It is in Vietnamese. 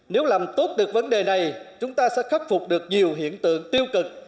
nếu làm tốt được vấn đề này chúng ta sẽ khắc phục được nhiều hiện tượng tiêu cực